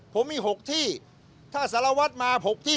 ผมมี๖ที่ถ้าสารวัตรมา๖ที่